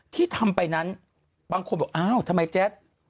ที่ทำไปนั้นบางคนบอกอ้าวทำไมแจ๊ด